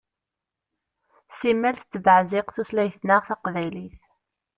Simmal tettbeɛziq tutlayt-nneɣ taqbaylit.